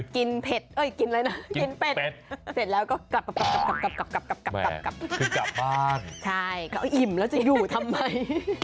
กินเป็ดมาเสร็จแล้วก็กลับกลับกลับกลับก็เอาอิ่มแล้วจะอยู่ทำไม